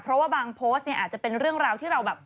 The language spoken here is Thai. เพราะว่าบางโพสต์เนี่ยอาจจะเป็นเรื่องราวที่เราแบบ